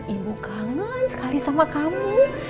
ibu kangen sekali sama kamu